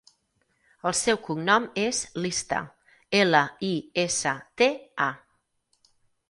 El seu cognom és Lista: ela, i, essa, te, a.